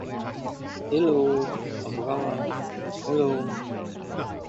Species in this superfamily have a calcareous, bilaterally symmetrical conical or globular shell.